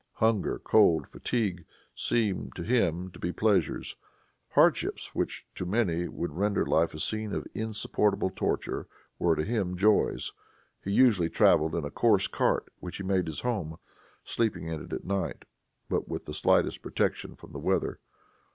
Hunger, cold, fatigue, seemed to him to be pleasures. Hardships which to many would render life a scene of insupportable torture, were to him joys. He usually traveled in a coarse cart, which he made his home, sleeping in it at night, with but the slightest protection from the weather.